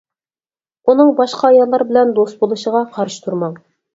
ئۇنىڭ باشقا ئاياللار بىلەن دوست بولۇشىغا قارشى تۇرماڭ.